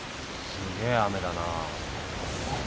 すげえ雨だな。